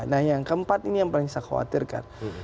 nah yang keempat ini yang paling saya khawatirkan